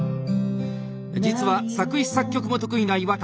実は作詞作曲も得意な岩田。